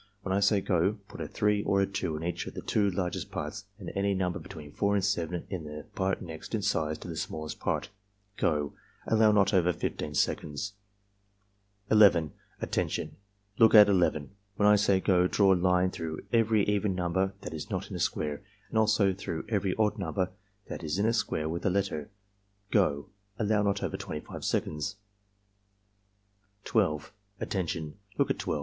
When I say 'go' put a 3 or a 2 in each 56 ARMY MENTAL TESTS of the two largest parts and any number between 4 and 7 in the part next in size to the smallest part. — Go!" (Allow not over 15 seconds.) 11. "Attention! Look at 11. When I say 'go' draw a line through every even number that is not in a square, and also through every odd number that is in a square with a letter. — Go!" (Allow not over 25 seconds.) 12. "Attention! Look at 12.